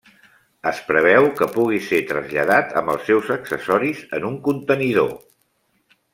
Es preveu que pugui ser traslladat amb els seus accessoris en un contenidor.